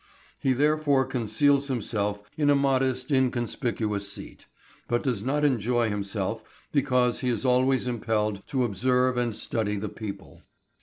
He therefore conceals himself in a modest inconspicuous seat, but does not enjoy himself because he is always impelled to observe and study the people.